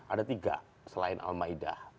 ada tiga selain al ma'idah